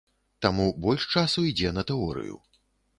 Таму больш часу ідзе на тэорыю.